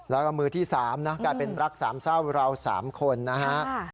แล้วก็มือที่๓นะกลายเป็นรักสามเศร้าเรา๓คนนะฮะ